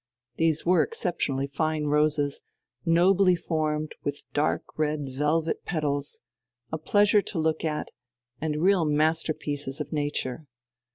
These were exceptionally fine roses, nobly formed, with dark red velvet petals, a pleasure to look at, and real masterpieces of nature.